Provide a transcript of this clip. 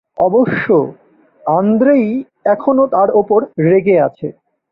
অবশ্য আন্দ্রেই এখনো তার উপর রেগে আছে।